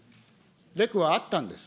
レクはあったんです。